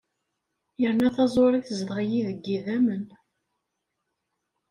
Yerna taẓuri tezdeɣ-iyi deg yidammen.